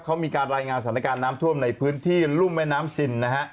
เขามีการรายงานสถานการณ์น้ำท่วมในพื้นที่รุ่มแม่น้ำซินนะฮะ